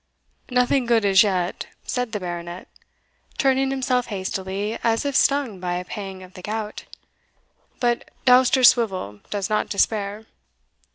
"Nothing good as yet," said the Baronet, turning himself hastily, as if stung by a pang of the gout; "but Dousterswivel does not despair."